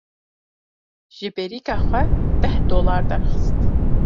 Ji bêrîka xwe deh dolar derxist.